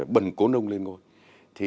bần cố nông lên ngôi